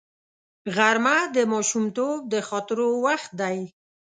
غرمه د ماشومتوب د خاطرو وخت دی